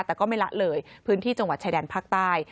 แต่ก็ไม่ละเลยพื้นที่จังหวัดชายแดนภาคใต้